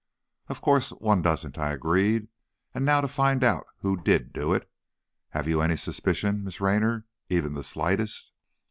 "Of course, one doesn't," I agreed, "and now to find out who did do it. Have you any suspicion, Miss Raynor, even the slightest?"